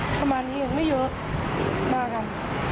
ประมาณนี้ยังไม่เยอะมากัน